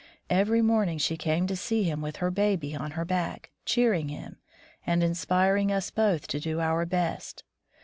Every morning she came to see him with her baby on her back, cheering him and inspiring us both to do our best.